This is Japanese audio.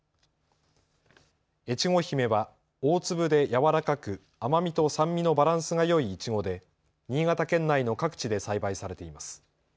越後姫は大粒で軟らかく甘みと酸味のバランスがよいいちごで、新潟県内の各地で栽培されています。